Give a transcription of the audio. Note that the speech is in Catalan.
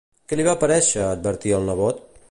Què li va parèixer advertir al nebot?